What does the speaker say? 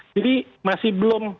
jadi masih belum